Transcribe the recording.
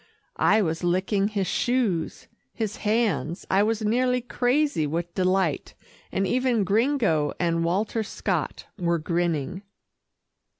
I was licking his shoes, his hands I was nearly crazy with delight, and even Gringo and Walter Scott were grinning.